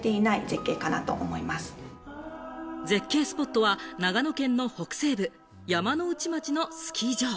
絶景スポットは長野県の北西部、山ノ内町のスキー場。